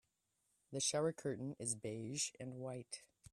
The shower curtain is beige and white.